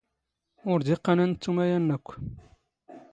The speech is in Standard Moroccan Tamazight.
ⵓⵔ ⴷ ⵉⵇⵇⴰⵏ ⴰⴷ ⵏⵜⵜⵓ ⵎⴰⵢⴰⵏⵏ ⴰⴽⴽⵯ.